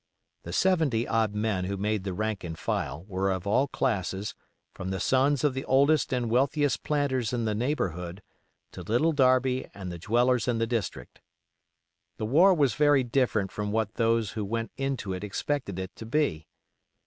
The seventy odd men who made the rank and file were of all classes, from the sons of the oldest and wealthiest planters in the neighborhood to Little Darby and the dwellers in the district. The war was very different from what those who went into it expected it to be.